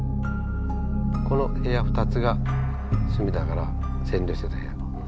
この部屋２つが角田が占領してた部屋。